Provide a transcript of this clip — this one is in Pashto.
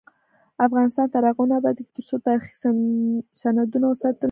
افغانستان تر هغو نه ابادیږي، ترڅو تاریخي سندونه وساتل نشي.